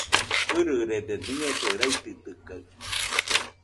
ɨrɨrede, nɨese raitɨtɨkaɨ